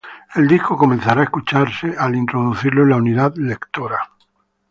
El disco comenzará a escucharse al introducirlo en la unidad lectora.